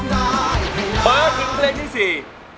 มาถึงเพลงที่๔